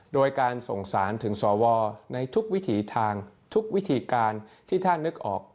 โดยการส่งสารถึงสวในทุกวิถีทางทุกวิธีการที่ท่านนึกออก